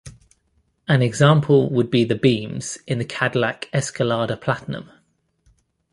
An example would be the beams in the Cadillac Escalade Platinum.